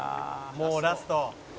「もうラスト」